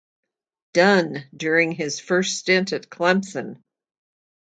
Dunn during his first stint at Clemson.